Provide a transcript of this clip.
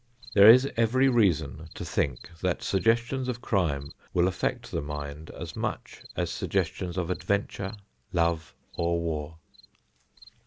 There is every reason to think that suggestions of crime will affect the mind as much as suggestions of adventure, love or war.